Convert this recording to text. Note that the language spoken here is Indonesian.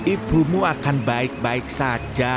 ibumu akan baik baik saja